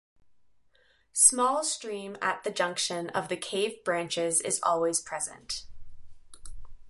Small stream at the junction of the cave branches is always present.